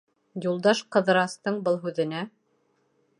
Юлдаш Ҡыҙырастың был һүҙенә: